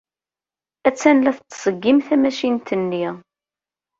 Attan la tettṣeggim tamacint-nni.